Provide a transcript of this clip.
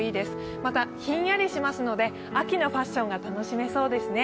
またひんやりしますので秋のファッションが楽しめそうですね。